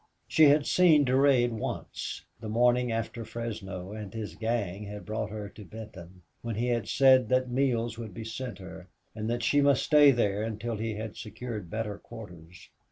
She had seen Durade once, the morning after Fresno and his gang had brought her to Benton, when he had said that meals would be sent her, and that she must stay there until he had secured better quarters.